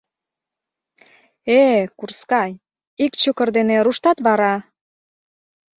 — Э-э, курскай, ик чукыр дене руштат вара?..